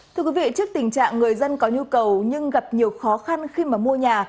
thưa quý vị trước tình trạng người dân có nhu cầu nhưng gặp nhiều khó khăn khi mà mua nhà